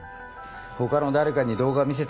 他の誰かに動画見せた？